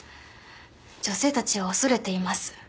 女性たちは恐れています。